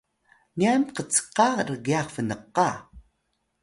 cyan kcka rgyax Bnka